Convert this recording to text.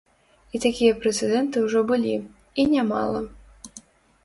І такія прэцэдэнты ўжо былі, і нямала.